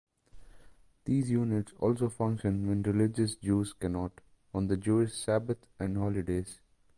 These units also function when religious Jews cannot, on the Jewish Sabbath and holidays.